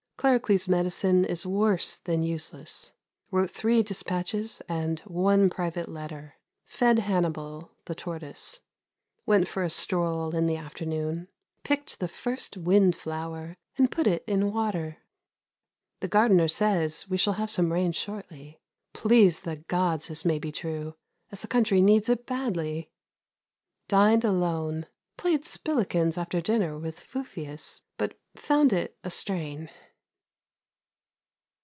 Claricles' medicine is worse than useless. Wrote three despatches and one private letter. Fed Hannibal, the tortoise. Went for a stroll in the afternoon. Picked the first wind flower, and put it in water. The gardener says we shall have some rain shortly. Please the Gods this may be true, as the country needs it badly! Dined alone. Played spilikins after dinner with Fufius, but found it a strain.